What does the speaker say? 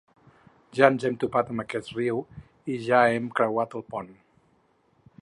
Ja ens hem topat amb aquest riu i ja hem creuat el pont.